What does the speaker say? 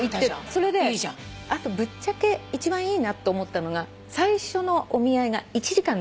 それであとぶっちゃけ一番いいなと思ったのが最初のお見合いが１時間でいいんだって。